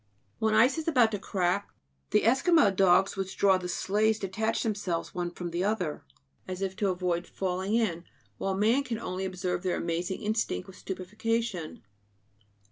When the ice is about to crack, the Esquimaux dogs which draw the sleighs detach themselves one from the other, as if to avoid falling in; while man can only observe their amazing instinct with stupefaction.